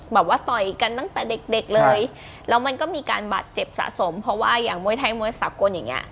ต่อยกันตั้งแต่เด็กเด็กเลยแล้วมันก็มีการบาดเจ็บสะสมเพราะว่าอย่างมวยไทยมวยสากลอย่างเงี้